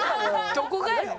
どこがやねん。